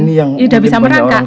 sudah bisa merangkak